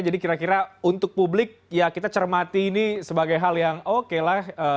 jadi kira kira untuk publik ya kita cermati ini sebagai hal yang oke lah